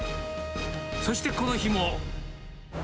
そしてこの日も。